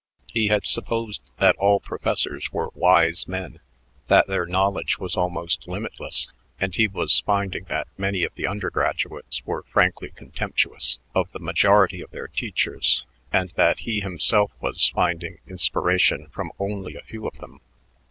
He had supposed that all professors were wise men, that their knowledge was almost limitless, and he was finding that many of the undergraduates were frankly contemptuous of the majority of their teachers and that he himself was finding inspiration from only a few of them.